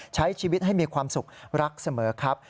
ใช้ชีวิตให้มีความสุขรักเสมอครับ